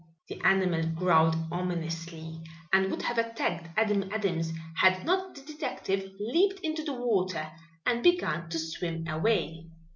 The animal growled ominously and would have attacked Adam Adams had not the detective leaped into the water and begun to swim away.